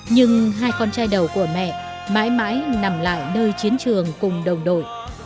nhưng hai con trai đầu của mẹ mãi mãi nằm lại nơi chiến trường cùng đồng đội